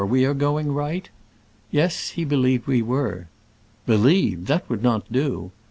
we are going right ?" Yes, he believed we were. Believed !— that would not do.